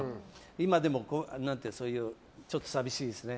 今でも、ちょっと寂しいですね。